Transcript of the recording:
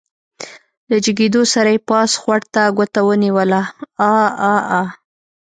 له جګېدو سره يې پاس خوړ ته ګوته ونيوله عاعاعا.